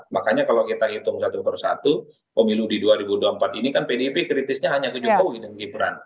makanya kalau kita hitung satu persatu pemilu di dua ribu dua puluh empat ini kan pdip kritisnya hanya ke jokowi dan gibran